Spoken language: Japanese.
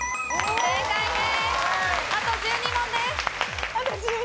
正解です。